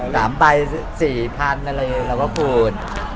สามใบสี่พันอะไรอย่างนี้เราก็พูด